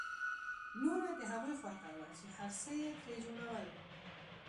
نوره د هغوی خوښه وه چې هر څه یې ترې جوړول